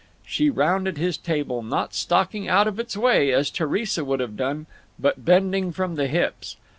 She rounded his table; not stalking out of its way, as Theresa would have done, but bending from the hips.